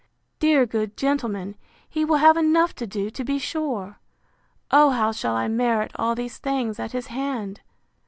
Dear good gentleman! he will have enough to do, to be sure! O how shall I merit all these things at his hand!